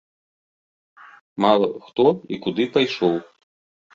Мала хто і куды пайшоў!